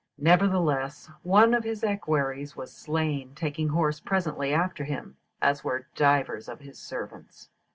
Nevertheless, one of his equerries was slain taking horse presently after him, as were divers of his servants.